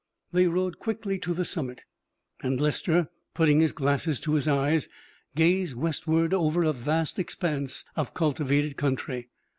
They rode quickly to the summit, and Lester, putting his glasses to his eyes, gazed westward over a vast expanse of cultivated country.